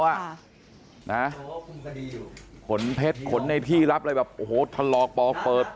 โหคุณคดีอยู่ขนเพชรขนในที่รับอะไรแบบโอ้โหทะลอกปลอบเปิด